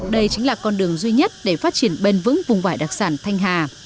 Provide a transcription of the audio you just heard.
đây chính là con đường duy nhất để phát triển bền vững vùng vải đặc sản thanh hà